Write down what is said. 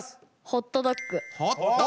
ホットドッグ！